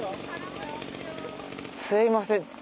すいません